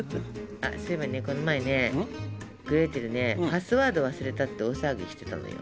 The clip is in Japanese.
あっそういえばねこの前ねグレーテルねパスワード忘れたって大騒ぎしてたのよ。